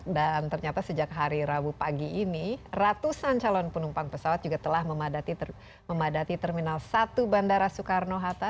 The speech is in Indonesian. dan ternyata sejak hari rabu pagi ini ratusan calon penumpang pesawat juga telah memadati terminal satu bandara soekarno hatta